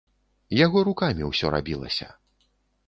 Яго рукамі ўсё рабілася.